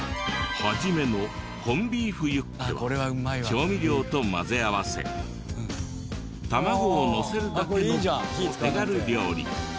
はじめのコンビーフユッケは調味料と混ぜ合わせ卵をのせるだけのお手軽料理。